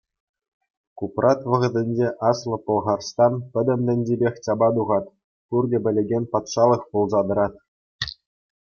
Купрат вӑхӑтӗнче Аслӑ Пӑлхарстан пӗтӗм тӗнчипех чапа тухать, пурте пӗлекен патшалӑх пулса тӑрать.